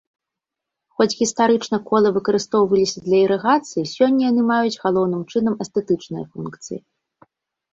Хоць гістарычна колы выкарыстоўваліся для ірыгацыі, сёння яны маюць, галоўным чынам, эстэтычныя функцыі.